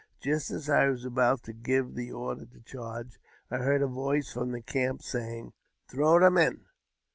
Just as I was about to give the order to charge, I heard a voice from the camp, saying, " Throw them in